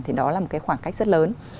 thì đó là một khoảng cách rất lớn